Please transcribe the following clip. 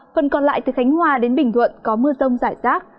phần còn lại từ khánh hòa đến bình thuận có mưa rông rải rác